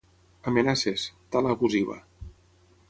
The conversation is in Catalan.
Amenaces: tala abusiva.